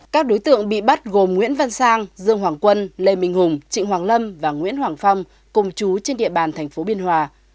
các đối tượng bị bắt gồm nguyễn văn sang dương hoàng quân lê minh hùng trịnh hoàng lâm và nguyễn hoàng phong cùng chú trên địa bàn tp biên hòa